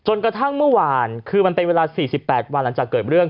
กระทั่งเมื่อวานคือมันเป็นเวลา๔๘วันหลังจากเกิดเรื่อง